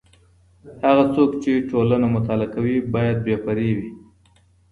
هغه څوک چي ټولنه مطالعه کوي بايد بې پرې وي.